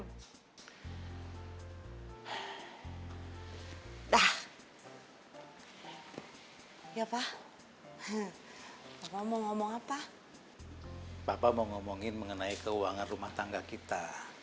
hai dah hai ya pak bapak mau ngomong apa bapak mau ngomongin mengenai keuangan rumah tangga kita